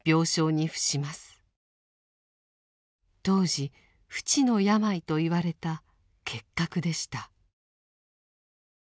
当時不治の病といわれた結核でした。